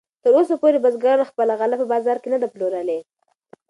تراوسه پورې بزګرانو خپله غله په بازار کې نه ده پلورلې.